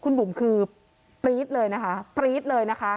คุณบุ๋มคือปรี๊ดเลยนะคะปรี๊ดเลยนะคะ